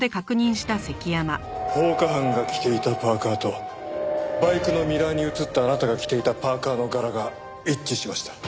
放火犯が着ていたパーカとバイクのミラーに映ったあなたが着ていたパーカの柄が一致しました。